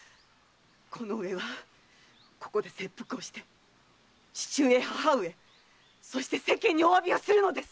このうえはここで切腹をして父上母上そして世間にお詫びをするのです！